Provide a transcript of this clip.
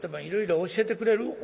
いろいろ教えてくれる？